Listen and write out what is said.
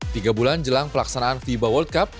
tiga bulan jelang pelaksanaan fiba world cup